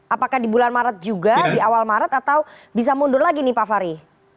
apakah di bulan maret juga di awal maret atau bisa mundur lagi nih pak fahri